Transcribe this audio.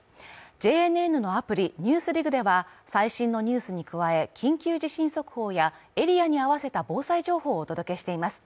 ＪＮＮのアプリ「ＮＥＷＳＤＩＧ」では最新のニュースに加え、緊急地震速報やエリアに合わせた防災情報をお届けしています。